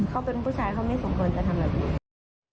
เขาเป็นผู้ชายเขาไม่สมควรจะทำแบบนี้